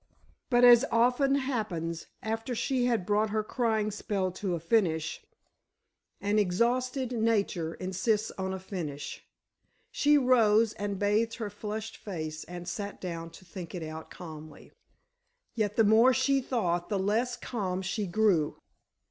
But, as often happens, after she had brought her crying spell to a finish—and exhausted Nature insists on a finish—she rose and bathed her flushed face and sat down to think it out calmly. Yet the more she thought the less calm she grew.